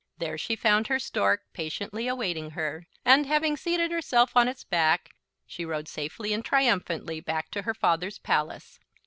There she found her Stork patiently awaiting her and, having seated herself on its back, she rode safely and triumphantly back to her father's palace.